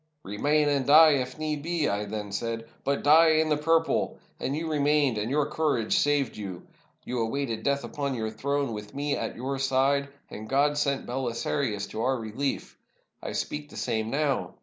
'Remain, and die if need be,' I then said; 'but die in the purple!' And you remained, and your courage saved you. You awaited death upon your throne, with me at your side — and God sent BeH sarius to our relief ! I speak the same now.